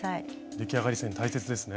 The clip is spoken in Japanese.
出来上がり線大切ですね。